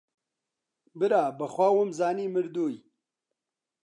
برا بەخوا وەمانزانی مردووی